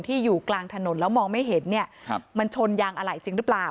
อยู่กลางถนนแล้วมองไม่เห็นเนี่ยมันชนยางอะไหล่จริงหรือเปล่า